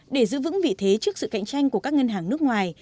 để giữ vững vị thế trước sự cạnh tranh của các ngân hàng nước ngoài